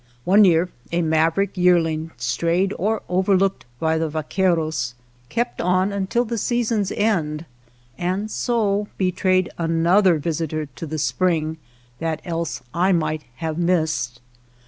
One year a maverick year ling, strayed or overlooked by the vaqueros, kept on until the season's end, and so be trayed another visitor to the spring that else I might have missed.